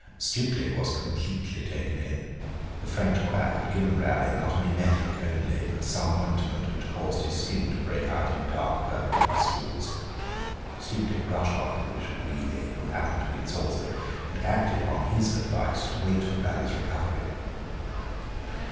Stukely was completely taken in; the French quack had given Raleigh, not an emetic only, but some ointment which caused his skin to break out in dark purple pustules. Stukely rushed off to the Bishop of Ely, who happened to be in Salisbury, and acted on his advice to wait for Raleigh's recovery.